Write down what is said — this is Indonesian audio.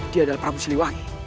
dia adalah prabu siliwangi